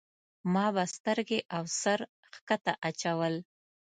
ما به سترګې او سر ښکته اچول.